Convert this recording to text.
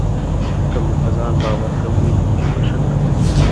که مو په ځان باور کم وي، نو تل به شک کوئ.